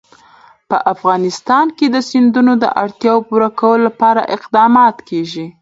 په افغانستان کې د سیندونه د اړتیاوو پوره کولو لپاره اقدامات کېږي.